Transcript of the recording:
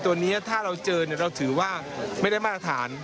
ตัวนี้ถ้าเราเจอเราถือว่าไม่ได้มาตรฐาน